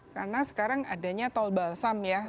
karena sekarang adanya tol balsam ya